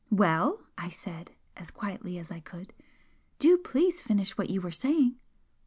"Well!" I said, as quietly as I could "Do please finish what you were saying!"